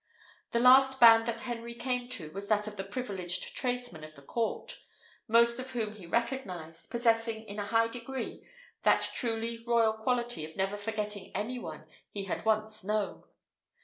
The last band that Henry came to was that of the privileged tradesmen of the court, most of whom he recognised, possessing, in a high degree, that truly royal quality of never forgetting any one he had once known.